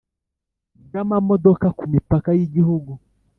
bw amamodoka ku mipaka y igihugu